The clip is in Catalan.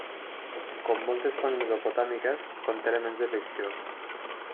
Com moltes fonts mesopotàmiques, conté elements de ficció.